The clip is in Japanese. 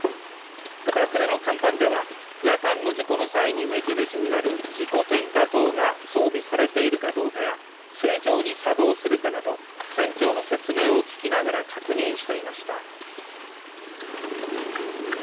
また、船の甲板では夜間の事故の際に目印になる事故点火灯が装備されているかどうかや正常に作動するかなど船長の説明を聞きながら確認していました。